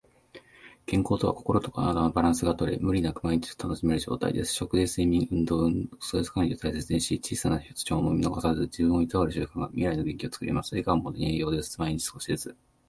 健康とは、心と体のバランスがとれ、無理なく毎日を楽しめる状態です。食事、睡眠、運動、ストレス管理を大切にし、小さな不調も見逃さず、自分をいたわる習慣が未来の元気をつくります。笑顔も栄養です。毎日少しずつ。